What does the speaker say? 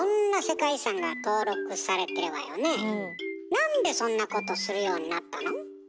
なんでそんなことするようになったの？